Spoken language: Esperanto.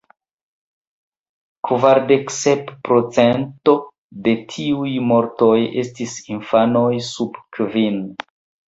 Kvardek sep procento de tiuj mortoj estis infanoj sub kvin.